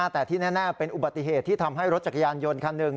แต่ที่แน่เป็นอุบัติเหตุที่ทำให้รถจักรยานยนต์คันหนึ่ง